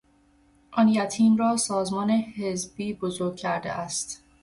آن یتیم را سازمان حزبی بزرگ کرده است.